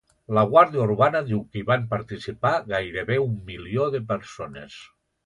La Guàrdia Urbana diu que hi van participar gairebé un milió de persones.